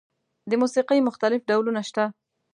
د موسیقۍ مختلف ډولونه شته.